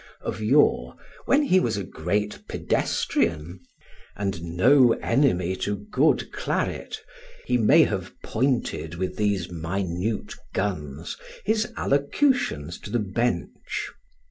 Of yore, when he was a great pedestrian and no enemy to good claret, he may have pointed with these minute guns his allocutions to the bench.